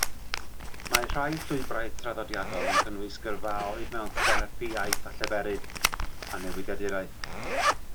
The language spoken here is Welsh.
Mae rhai llwybrau traddodiadol yn cynnwys gyrfaoedd mewn therapi iaith a lleferydd, a newyddiaduraeth.